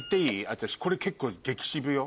私これ結構激シブよ。